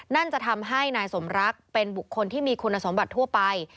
นั่นจะทำให้นายสมรักเป็นบุคคลที่มีคุณสมบัติทั่วไป